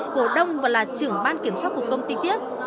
cổ đông và là trưởng ban kiểm soát của công ty tiếp